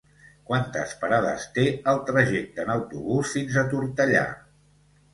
Quantes parades té el trajecte en autobús fins a Tortellà?